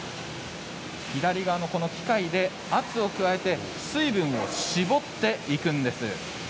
左側の機械で圧を加えて水分を絞っていくんです。